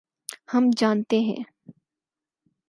ہم جانتے ہیں۔